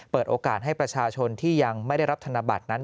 เปิดโอกาสให้ประชาชนที่ยังไม่ได้รับธนบัตรนั้น